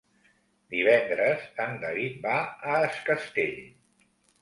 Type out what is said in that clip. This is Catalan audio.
Divendres en David va a Es Castell.